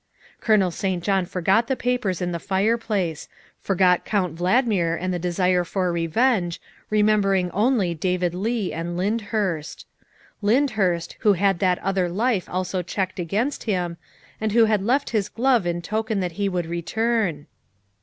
Colonel St. John forgot the papers in the fireplace; THE SECRETARY OF STATE 295 forgot Count Valdmir and the desire for revenge, re membering only David Leigh and Lyndhurst. Lynd hurst, who had that other life also checked against him, and who had left his glove in token that he would return.